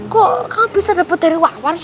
tapi kok kamu bisa dapet dari wawan sih